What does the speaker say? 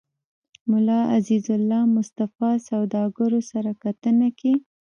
ملا عزيزالله مصطفى سوداګرو سره کتنه کې